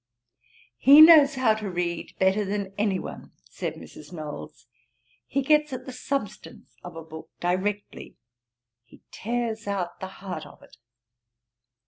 'He knows how to read better than any one (said Mrs. Knowles;) he gets at the substance of a book directly; he tears out the heart of it.'